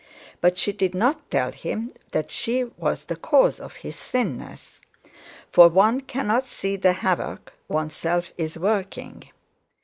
But she did not tell him that she was the cause of his thinness—for one cannot see the havoc oneself is working.